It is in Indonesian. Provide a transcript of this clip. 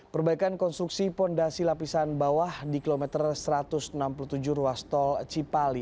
perbaikan konstruksi fondasi lapisan bawah di kilometer satu ratus enam puluh tujuh ruas tol cipali